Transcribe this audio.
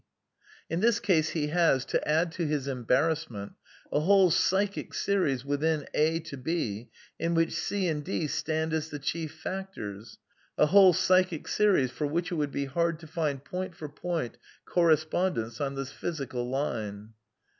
In this case he has, to add to his embarrassment, a whole psychic series within a' V, in which c' and d^ stand as the chief factors, a whole psychic series for which it would be hard to find point for point correspondence on the physical line.